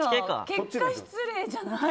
結果失礼じゃない？